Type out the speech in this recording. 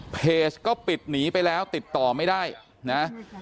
เพจก็ปิดหนีไปแล้วติดต่อไม่ได้นะ